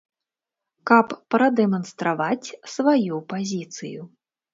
Каб прадэманстраваць сваю пазіцыю.